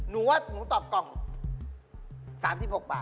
มะงึกแหละ